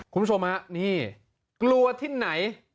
คุณผู้ชมฮะนี่กลัวที่ไหน